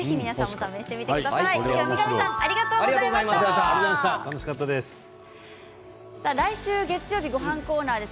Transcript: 楽しかったです。